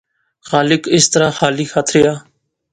خالق اس طرح خالی ہتھ ریا